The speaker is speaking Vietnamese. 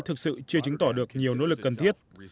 thực sự chưa chứng tỏ được nhiều nỗ lực cần thiết